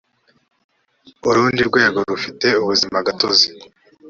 urundi rwego rufite ubuzimagatozi